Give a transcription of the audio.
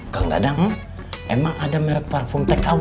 kang dadang emang ada merek parfum tkw